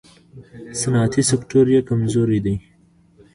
صنعتي سکتور یې کمزوری دی.